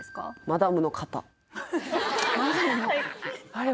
マダムの方あれ？